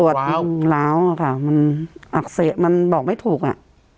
โหมดหลาวโหมดอ่าค่ะมันอักเสริมันบอกไม่ถูกอ่ะ